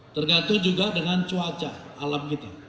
tergantung juga dengan cuaca alam kita